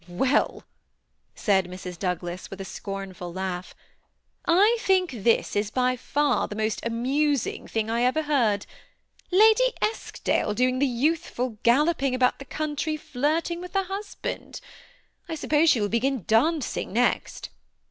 ^ Well," said Mrs. Douglas, with a scornful laugh, ^' I think this is by &ur the most amusing thing I ever heard. Lady Eskdale doing the youthful, galloping about the country flirting with her husband^ I suppose she will begin dancing next.